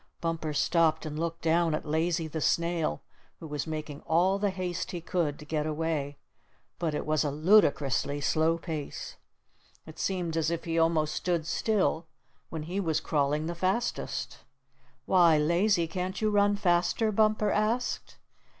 Bumper stopped and looked down at Lazy the Snail, who was making all the haste he could to get away; but it was a ludicrously slow pace. It seemed as if he almost stood still when he was crawling the fastest. "Why, Lazy, can't you run faster?" Bumper asked.